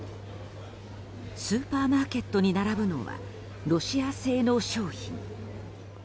スーパーマーケットに並ぶのはロシア製の商品。